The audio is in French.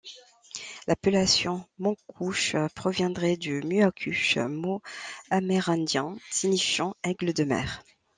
L'appellation Moncouche proviendrait de muakush, mot amérindien, signifiant aigle de mer.